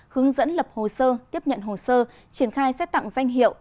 hướng dẫn lập hồ sơ tiếp nhận hồ sơ triển khai xét tặng danh hiệu